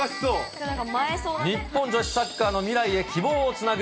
日本女子サッカーの未来へ、希望をつなぐ